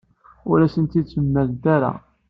Ur as-tent-id-mlant ara.